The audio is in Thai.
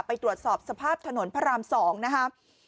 ไปตรวจสอบสภาพถนนพระราม๒นะครับ